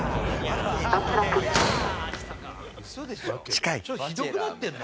「近い？」